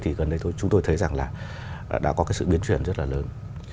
thì gần đây chúng tôi thấy rằng là đã có cái sự biến chuyển rất là lớn